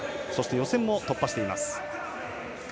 予選を突破しています。